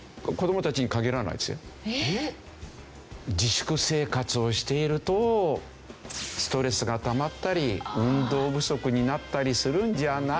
自粛生活をしているとストレスがたまったり運動不足になったりするんじゃないの？